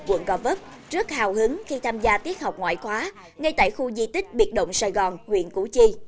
quận gò vấp rất hào hứng khi tham gia tiết học ngoại khóa ngay tại khu di tích biệt động sài gòn huyện củ chi